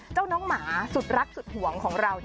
น้องหมาสุดรักสุดห่วงของเรา